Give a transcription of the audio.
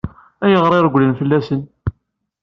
Ayɣer i regglent fell-asen?